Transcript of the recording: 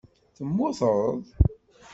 Temmuteḍ?